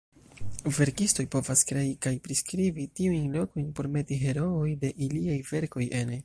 Verkistoj povas krei kaj priskribi tiujn lokoj por meti herooj de iliaj verkoj ene.